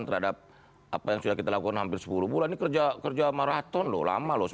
terhadap apa yang sudah kita lakukan hampir sepuluh bulan ini kerja maraton loh lama loh